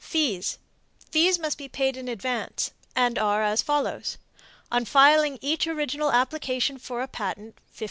FEES. Fees must be paid in advance, and are as follows. On filing each original application for a patent, $15.